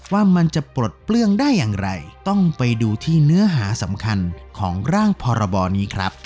ว่ามันจะปลดเปลื้องได้อย่างไรต้องไปดูที่เนื้อหาสำคัญของร่างพรบนี้ครับ